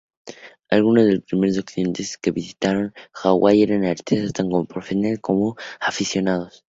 Algunos de los primeros occidentales que visitaron Hawái eran artistas, tanto profesionales como aficionados.